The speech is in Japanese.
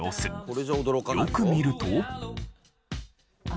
よく見ると。